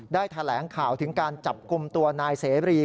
แถลงข่าวถึงการจับกลุ่มตัวนายเสรี